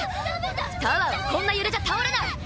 タワーはこんな揺れじゃ倒れない。